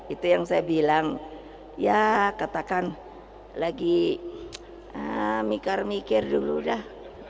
itu yang saya bilang ya katakan lagi mikir mikir dulu dah